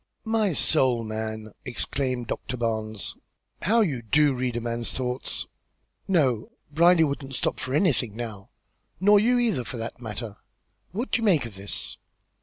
"My soul, man!" exclaimed Doctor Barnes, "how you do read a man's thoughts! No! Brierly wouldn't stop for anything now. Nor you, either, for that matter, What do you make of this?"